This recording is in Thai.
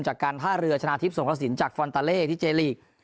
จากการท่าเรือชนะทิพย์สงกระสินจากฟอนตาเล่ที่เจลีก